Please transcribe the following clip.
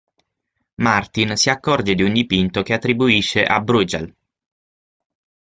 Martin si accorge di un dipinto che attribuisce a Bruegel.